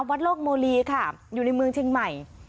โลกโมลีค่ะอยู่ในเมืองเชียงใหม่